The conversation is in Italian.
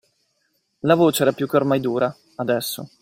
La voce era più che mai dura, adesso.